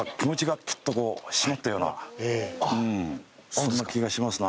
そんな気がしますな。